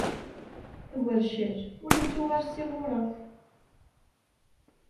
Agercal ur ittuɣal s iɣuṛaf.